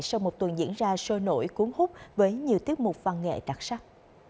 sau một tuần diễn ra sôi nổi cuốn hút với nhiều tiết mục văn nghệ đặc sắc